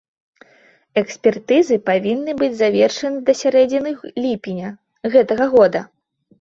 Экспертызы павінны быць завершаны да сярэдзіны ліпеня гэтага года.